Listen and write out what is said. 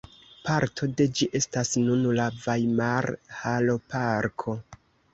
Parto de ĝi estas nun la Vajmarhaloparko.